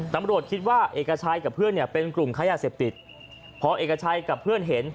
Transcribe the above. ตำรวจคิดว่าเอกชัยกับเพื่อนเนี่ยเป็นกลุ่มค้ายาเสพติดพอเอกชัยกับเพื่อนเห็น